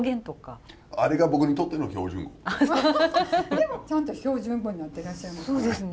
でもちゃんと標準語になってらっしゃいますよね。